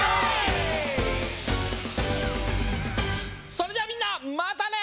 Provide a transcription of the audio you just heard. それじゃあみんなまたね！